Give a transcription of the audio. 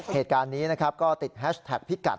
เหตุการณ์นี้นะครับก็ติดแฮชแท็กพิกัด